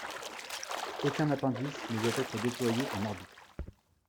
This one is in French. Aucun appendice ne doit être déployé en orbite.